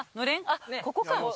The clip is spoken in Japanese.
あっここか。